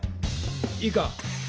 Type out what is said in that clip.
⁉いいか。